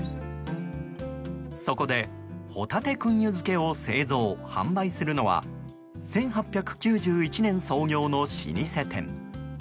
そこで、ほたて燻油漬を製造・販売するのは１８９１年創業の老舗店。